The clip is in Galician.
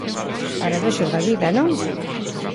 Paradoxos da vida, ¿non?